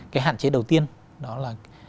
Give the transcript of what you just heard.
cái hạn chế đầu tiên đó là